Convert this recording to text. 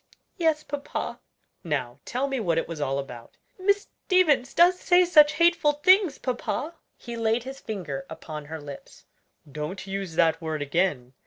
"Yes, papa." "Now tell me what it was all about." "Miss Stevens does say such hateful things, papa!" He laid his finger upon her lips. "Don't use that word again.